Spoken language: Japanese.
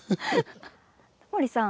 タモリさん